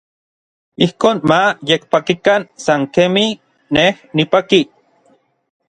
Ijkon ma yekpakikan san kemij n nej nipaki.